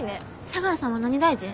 茶川さんは何大臣？